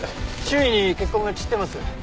周囲に血痕が散ってます。